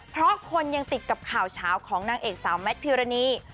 เพราะคนยังติดกับข่าวเช้าของนางเอกสาวแมทพิรณี